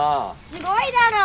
すごいだろ。